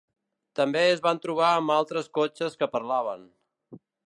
També es van trobar amb altres cotxes que parlaven.